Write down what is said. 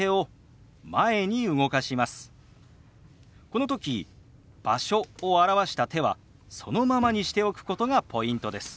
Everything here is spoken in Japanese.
この時「場所」を表した手はそのままにしておくことがポイントです。